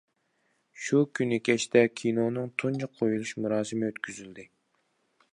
شۇ كۈنى كەچتە كىنونىڭ تۇنجى قويۇلۇش مۇراسىمى ئۆتكۈزۈلدى.